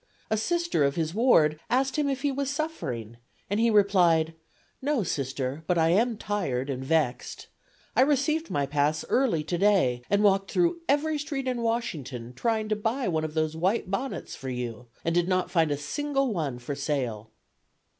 A Sister of his ward asked him if he was suffering, and he replied: "No, Sister; but I am tired and vexed. I received my pass early to day and walked through every street in Washington trying to buy one of those white bonnets for you and did not find a single one for sale."